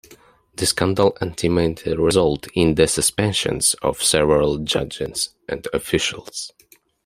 The scandal ultimately resulted in the suspension of several judges and officials.